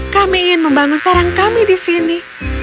kami ingin membangun sarang kami di sini